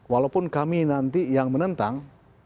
walaupun kami nanti yang menentang